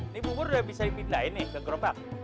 ini bubur udah bisa dipindahin nih ke gerobak